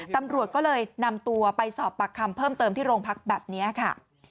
ตำรวจก็เลยนำตัวไปสอบปากคำเพิ่มเติมที่โรงพักแบบนี้ค่ะ